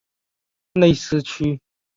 内斯屈。